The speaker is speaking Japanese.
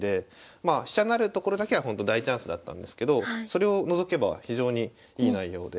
まあ飛車成るところだけはほんと大チャンスだったんですけどそれを除けば非常にいい内容で。